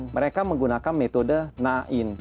mereka menggunakan metode na'in